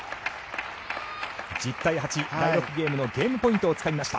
１０対８第６ゲームのゲームポイントをつかみました。